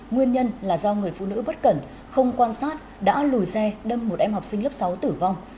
nguyên nhân là do người phụ nữ bất cẩn không quan sát đã lùi xe đâm một em học sinh lớp sáu tử vong